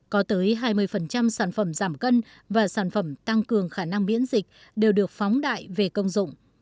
có tới hai mươi sản phẩm giảm cân và sản phẩm tăng cường khả năng biễn dịch đều được phóng đại về công dụng